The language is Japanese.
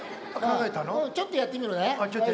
ちょっとやってみるね。